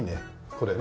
これね。